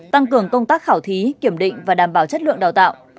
tăng cường công tác khảo thí kiểm định và đảm bảo chất lượng đào tạo